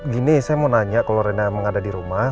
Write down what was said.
gini saya mau nanya kalau rena emang ada di rumah